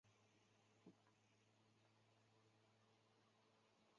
伊四零型潜艇是大日本帝国海军的潜舰型号。